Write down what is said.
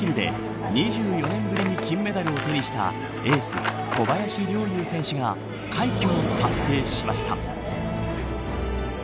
ノーマルヒルで、２４年ぶりに金メダルを手にしたエース、小林陵侑選手が快挙を達成しました。